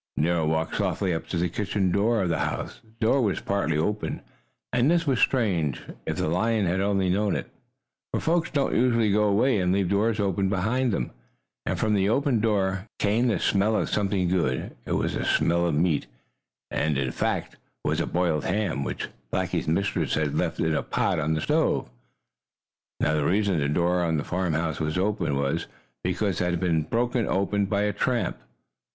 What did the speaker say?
Nero walked softly up to the kitchen door of the house. The door was partly open, and this was strange, if the lion had only known it, for folks don't usually go away and leave doors open behind them. And from the open door came the smell of something good. It was the smell of meat, and, in fact, was a boiled ham, which Blackie's mistress had left in a pot on the stove. Now the reason the door of the farmhouse was open was because it had been broken open by a tramp!